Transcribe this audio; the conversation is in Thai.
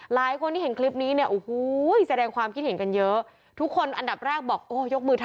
หลายคนที่เห็นคลิปนี้เนี่ยอูหู